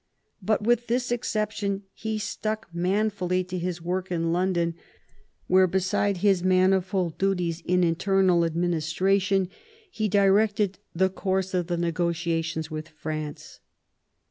But with this exception, he stuck manfully to his work in London, where, beside his manifold duties in internal 48 THOMAS WOLSEY chap. administration, he directed the course of the negotiations with France.